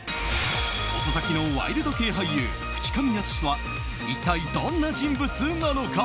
遅咲きのワイルド系俳優淵上泰史は一体どんな人物なのか。